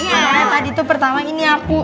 karena tadi tuh pertama ini aku